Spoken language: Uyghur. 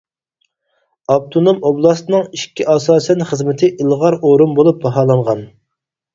ئاپتونوم ئوبلاستنىڭ «ئىككى ئاساسەن خىزمىتى» ئىلغار ئورۇن بولۇپ باھالانغان.